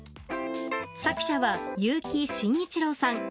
作者は結城真一郎さん。